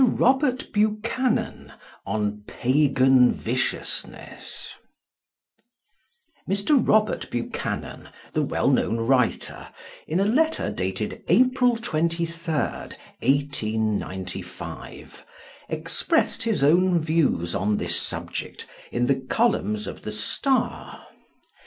ROBERT BUCHANAN ON PAGAN VICIOUSNESS. Mr. Robert Buchanan, the well known writer, in a letter dated April 23rd, 1895, expressed his own views on this subject in the columns of The Star.